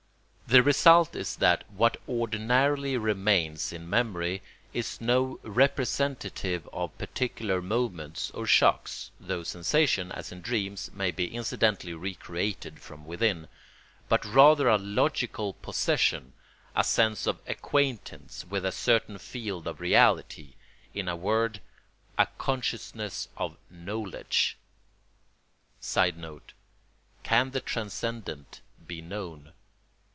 The result is that what ordinarily remains in memory is no representative of particular moments or shocks—though sensation, as in dreams, may be incidentally recreated from within—but rather a logical possession, a sense of acquaintance with a certain field of reality, in a word, a consciousness of knowledge. [Sidenote: Can the transcendent be known?